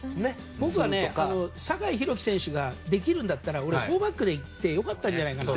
僕はね、酒井宏樹選手ができるんだったら４バックで行って良かったんじゃないかと。